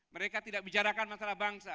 mereka tidak bicarakan masalah bangsa